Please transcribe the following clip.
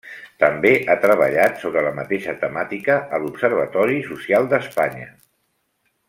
També ha treballat sobre la mateixa temàtica a l'Observatori Social d'Espanya.